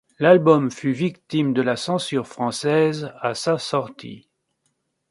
L'album fut victime de la censure française à sa sortie.